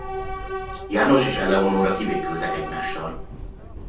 János és Eleonóra kibékültek egymással.